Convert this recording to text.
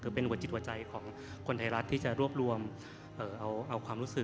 คือเป็นหัวจิตหัวใจของคนไทยรัฐที่จะรวบรวมเอาความรู้สึก